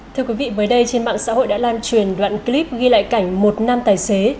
thưa quý vị mới đây trên mạng xã hội đã lan truyền đoạn clip ghi lại cảnh một nam tài xế